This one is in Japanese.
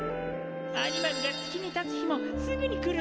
アニマルが月に立つ日もすぐに来るな。